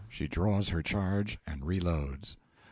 (She draws her charge and reloads.)